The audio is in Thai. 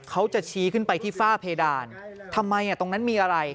เขาจะชี้ขึ้นไปที่ฝ้าเพดานทำไมตรงนั้นมีอะไร